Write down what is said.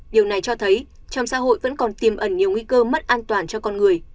điều này cho thấy trong xã hội vẫn còn tiềm ẩn nhiều nguy cơ mất an toàn cho con người